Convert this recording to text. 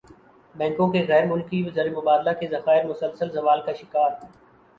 بینکوں کے غیرملکی زرمبادلہ کے ذخائر مسلسل زوال کا شکار